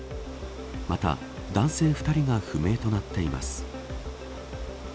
また、男性２人が不明となっています。